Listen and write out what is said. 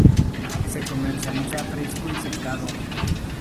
Se comercializa fresco y secado.